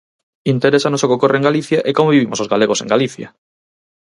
¡Interésanos o que ocorre en Galicia e como vivimos os galegos en Galicia!